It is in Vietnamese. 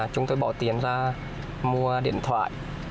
chúng tôi bỏ tiền ra mua điện thoại